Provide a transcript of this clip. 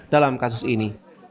dalam kasus ini